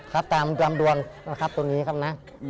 ครับตามลำดวนนะครับตรงนี้ครับนะ